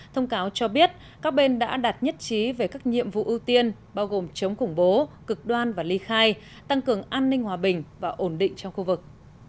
thông cáo cho biết các bên đã đặt nhất trí về các nhiệm vụ ưu tiên bao gồm chống khủng bố cực đoan và ly khai tăng cường an ninh hòa bình và ổn định trong khu vực